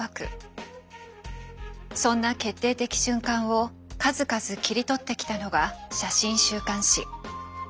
そんな決定的瞬間を数々切り取ってきたのが写真週刊誌。